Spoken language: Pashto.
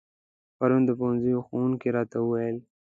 پرون د پوهنځي ښوونکي راته و ويل